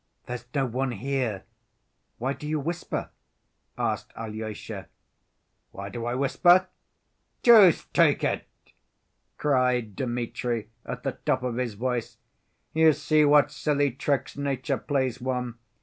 "There's no one here. Why do you whisper?" asked Alyosha. "Why do I whisper? Deuce take it!" cried Dmitri at the top of his voice. "You see what silly tricks nature plays one.